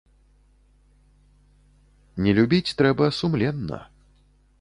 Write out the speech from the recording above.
Не любіць трэба сумленна.